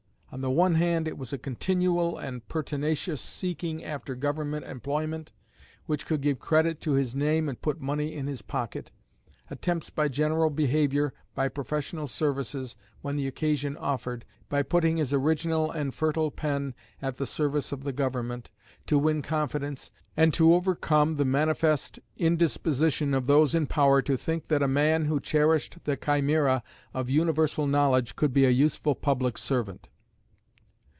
On the one hand it was a continual and pertinacious seeking after government employment, which could give credit to his name and put money in his pocket attempts by general behaviour, by professional services when the occasion offered, by putting his original and fertile pen at the service of the government, to win confidence, and to overcome the manifest indisposition of those in power to think that a man who cherished the chimera of universal knowledge could be a useful public servant.